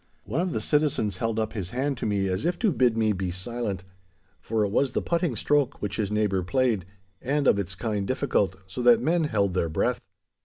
One of the citizens held up his hand to me as if to bid me be silent, for it was the putting stroke which his neighbour played, and of its kind difficult, so that men held their breath.